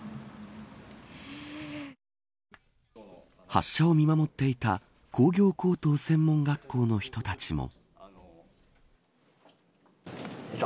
発射を見守っていた工業高等専門学校の人たちも。